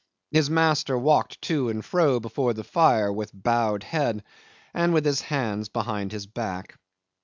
His master walked to and fro before the fire with bowed head and with his hands behind his back.